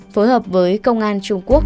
phối hợp với công an trung quốc